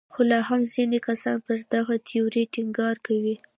خو لا هم ځینې کسان پر دغې تیورۍ ټینګار کوي.